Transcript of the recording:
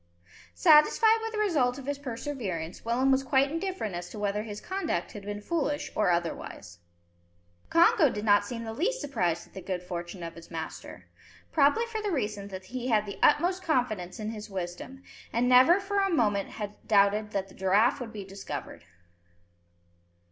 Satisfied with the result of his perseverance, Willem was quite indifferent as to whether his conduct had been foolish or otherwise. Congo did not seem the least surprised at the good fortune of his master; probably for the reason that he had the utmost confidence in his wisdom, and never for a moment had doubted that the giraffe would be discovered.